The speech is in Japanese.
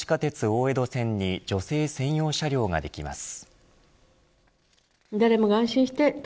大江戸線に女性専用車両ができます。